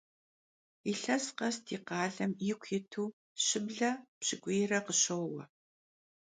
Yilhes khes di khalem yiku yitu şıble pş'ık'uyre khışoue.